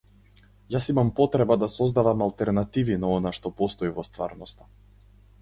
Јас имам потреба да создавам алтернативи на она што постои во стварноста.